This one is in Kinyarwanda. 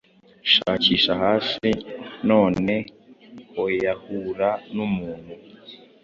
Shakisha hasi none hoyahura numuntu